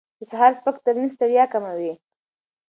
د سهار سپک تمرین ستړیا کموي.